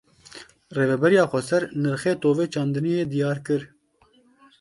Rêveberiya Xweser nirxê tovê çandiyê diyar kir.